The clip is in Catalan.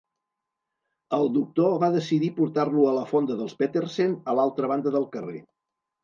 El doctor va decidir portar-lo a la fonda dels Petersen, a l'altra banda del carrer.